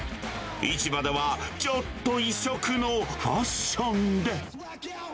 市場ではちょっと異色のファッションで。